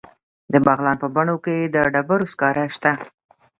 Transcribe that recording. د بغلان په بنو کې د ډبرو سکاره شته.